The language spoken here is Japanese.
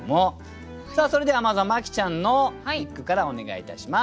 それではまずは麻貴ちゃんの一句からお願いいたします。